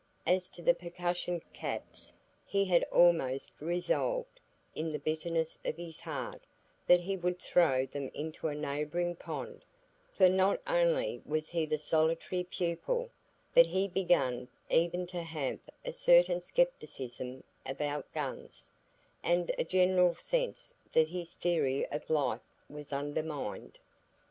As to the percussion caps, he had almost resolved, in the bitterness of his heart, that he would throw them into a neighbouring pond; for not only was he the solitary pupil, but he began even to have a certain scepticism about guns, and a general sense that his theory of life was undermined.